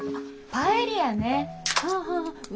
パエリアね。